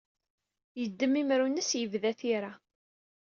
Yeddem imru-nnes, yebda tira.